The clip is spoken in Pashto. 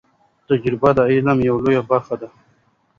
تجربه د علم یو لوی برخه ده.